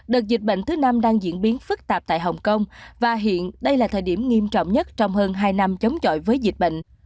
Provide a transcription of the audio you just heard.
đợt dịch bệnh thứ năm đang diễn biến phức tạp tại hồng kông và hiện đây là thời điểm nghiêm trọng nhất trong hơn hai năm chống chọi với dịch bệnh